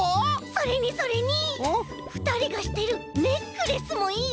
それにそれにふたりがしてるネックレスもいいよね。